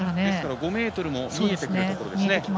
５ｍも見えてくるところですね。